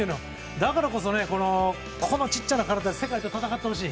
だからこそ、この小さな体で世界と戦ってほしい。